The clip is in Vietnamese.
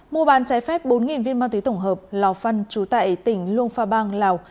mua bán trái phép bốn viên ma túy tổng hợp lò phân chú tại tỉnh luông pha bang lào